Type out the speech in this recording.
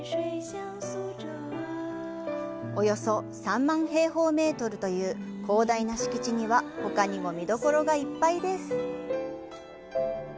およそ３万平方メートルという広大な敷地にはほかにも見どころがいっぱいです。